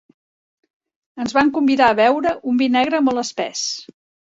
Ens van convidar a beure un vi negre molt espès.